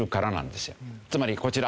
つまりこちら。